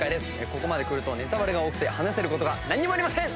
ここまでくるとネタバレが多くて話せることが何にもありません。